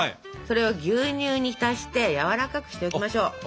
それを牛乳に浸してやわらかくしておきましょう。